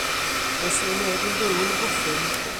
Does 'na neb yn byw yn y bwthyn.